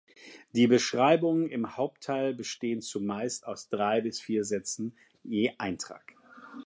Die Beschreibungen im Hauptteil bestehen zumeist aus drei bis vier Sätzen je Eintrag.